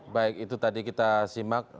baik itu tadi kita simak